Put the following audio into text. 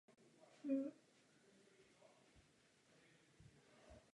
Fórum má za úkol rozvíjet kulturní rozmanitost.